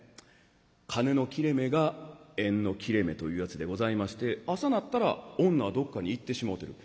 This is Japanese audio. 「金の切れ目が縁の切れ目」というやつでございまして朝なったら女はどっかに行ってしもうてる。